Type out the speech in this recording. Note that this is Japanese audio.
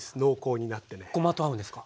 ごまと合うんですか？